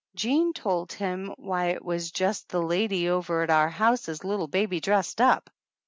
Jean told him why it was just the lady over at our house's little baby dressed up.